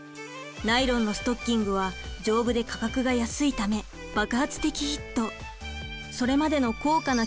ナイロンのストッキングは丈夫で価格が安いため爆発的ヒット。